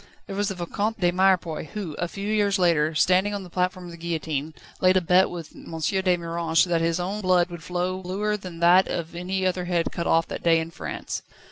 There was the Vicomte de Mirepoix, who, a few years later, standing on the platform of the guillotine, laid a bet with M. de Miranges that his own blood would flow bluer than that of any other head cut off that day in France.